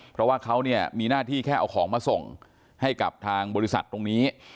เพราะว่าเขาเนี่ยมีหน้าที่แค่เอาของมาส่งให้กับทางบริษัทตรงนี้